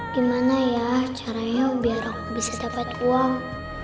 gimana ya caranya biar aku bisa dapat uang